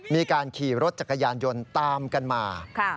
มีการขี่รถจักรยานยนต์ตามกันมา